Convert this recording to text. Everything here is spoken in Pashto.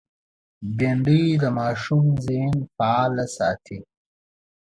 بېنډۍ د ماشوم ذهن فعال ساتي